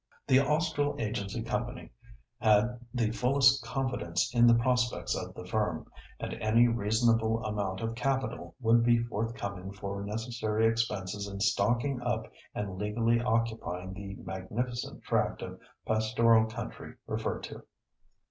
"The Austral Agency Company had the fullest confidence in the prospects of the firm, and any reasonable amount of capital would be forthcoming for necessary expenses in stocking up and legally occupying the magnificent tract of pastoral country referred to."